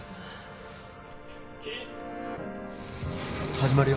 始まるよ。